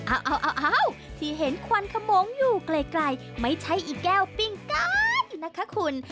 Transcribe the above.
อ้าวที่เห็นควันขมงอยู่ไกลไม่ใช่อีกแก้วปิ้งก๊ายนะคะคุณ